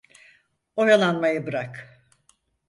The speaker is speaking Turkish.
Oyalanmayı bırak.